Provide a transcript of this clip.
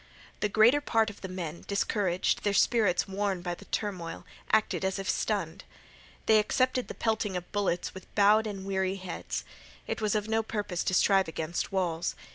The greater part of the men, discouraged, their spirits worn by the turmoil, acted as if stunned. They accepted the pelting of the bullets with bowed and weary heads. It was of no purpose to strive against walls.